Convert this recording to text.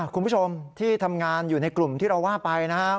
คุณผู้ชมที่ทำงานอยู่ในกลุ่มที่เราว่าไปนะครับ